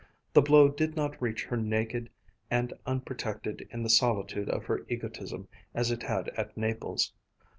The blow did not reach her naked and unprotected in the solitude of her egotism, as it had at Naples.